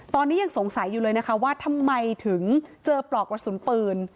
ตอนนี้ยังสงสัยอยู่เลยนะคะว่าทำไมถึงเจอปลอกกระสุนปืน